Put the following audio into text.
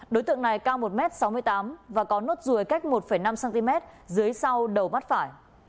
đối tượng này cao một m sáu mươi tám và có nốt ruồi cách một năm cm dưới sau đầu mắt phải